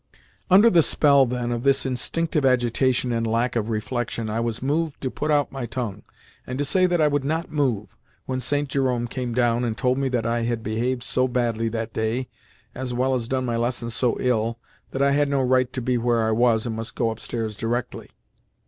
Under the spell, then, of this instinctive agitation and lack of reflection I was moved to put out my tongue, and to say that I would not move, when St. Jerome came down and told me that I had behaved so badly that day, as well as done my lessons so ill, that I had no right to be where I was, and must go upstairs directly.